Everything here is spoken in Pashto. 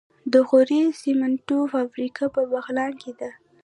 د غوري سمنټو فابریکه په بغلان کې ده.